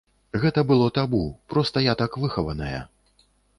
Гэта было табу, проста я так выхаваная.